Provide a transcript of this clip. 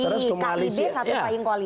kib satu pahing koalisi